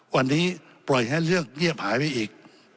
วันนี้ปล่อยให้เรื่องเงียบหายไปอีก